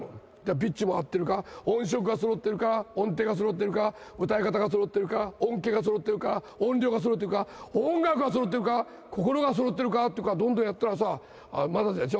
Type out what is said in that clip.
ピッチも合ってるか、音色がそろってるか、音程がそろってるか、歌い方がそろってるか、音けいがそろってるか、音量がそろってるか、音楽がそろってるか、心がそろってるかとかどんどんやったらさ、まだでしょ。